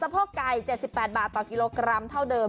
โพกไก่๗๘บาทต่อกิโลกรัมเท่าเดิม